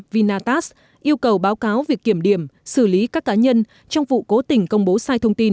vinatas yêu cầu báo cáo việc kiểm điểm xử lý các cá nhân trong vụ cố tình công bố sai thông tin